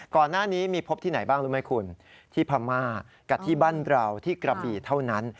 ก่อนหน้านี้มีพบที่ไหนบ้างรู้ไหมคุณที่พม่ากับที่บ้านเราที่กระบีเท่านั้น